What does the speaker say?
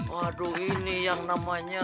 waduh ini yang namanya